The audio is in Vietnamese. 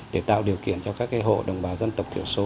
để tạo điều kiện cho các hộ đồng bào dân tộc thiểu số